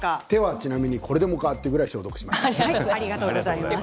ちなみに手はこれでもかというぐらい消毒しました。